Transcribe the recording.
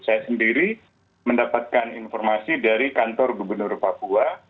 saya sendiri mendapatkan informasi dari kantor gubernur papua